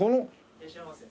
いらっしゃいませ。